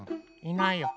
いないや。